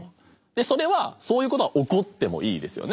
それはそういうことは起こってもいいですよね。